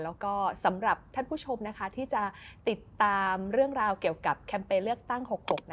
แล้วก็สำหรับท่านผู้ชมที่จะติดตามเรื่องราวเกี่ยวกับแคมเปญเลือกตั้ง๖๖